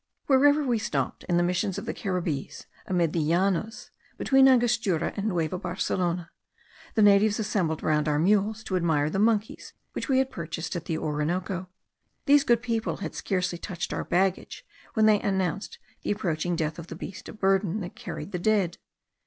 Wherever we stopped, in the missions of the Caribbees, amid the Llanos, between Angostura and Nueva Barcelona, the natives assembled round our mules to admire the monkeys which we had purchased at the Orinoco. These good people had scarcely touched our baggage, when they announced the approaching death of the beast of burden that carried the dead.